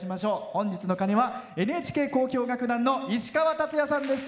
本日の鐘はＮＨＫ交響楽団の石川達也さんでした。